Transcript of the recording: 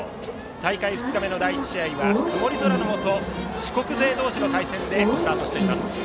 大会２日目の第１試合は曇り空のもと四国勢同士の対戦でスタートしています。